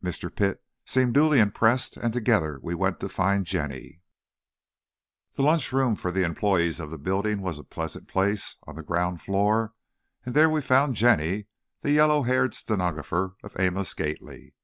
Mr. Pitt seemed duly impressed and together we went to find Jenny. The lunchroom for the employees of the building was a pleasant place, on the ground floor, and therein we found Jenny, the yellow haired stenographer of Amos Gately.